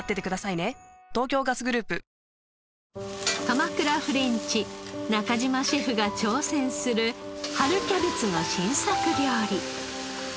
鎌倉フレンチ中嶋シェフが挑戦する春キャベツの新作料理。